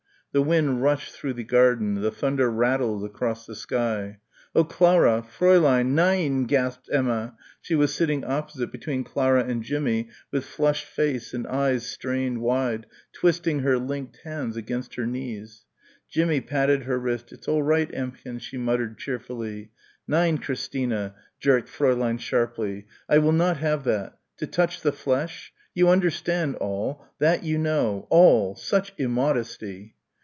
The wind rushed through the garden, the thunder rattled across the sky. "Oh, Clara! Fräulein! Nein!" gasped Emma. She was sitting opposite, between Clara and Jimmie with flushed face and eyes strained wide, twisting her linked hands against her knees. Jimmie patted her wrist, "It's all right, Emmchen," she muttered cheerfully. "Nein, Christina!" jerked Fräulein sharply. "I will not have that! To touch the flesh! You understand, all! That you know. All! Such immodesty!"